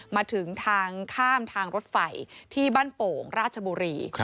มาถึงทางข้ามทางรถไฟที่บ้านโป่งราชบุรี